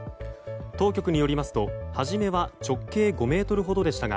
当局によりますと初めは直径５ｍほどでしたが